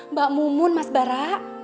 mbak mumun mas bara